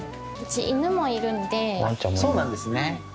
あっそうなんですね。